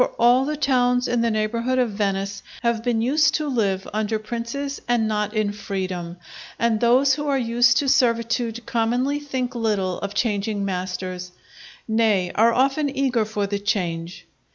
For all the towns in the neighbourhood of Venice have been used to live under princes and not in freedom; and those who are used to servitude commonly think little of changing masters, nay are often eager for the change.